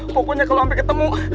pokoknya kalo sampe ketemu